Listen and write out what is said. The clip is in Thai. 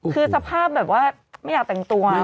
คือสภาพแบบว่าไม่อยากแต่งตัว